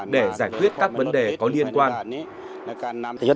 để giải quyết các vấn đề có liên quan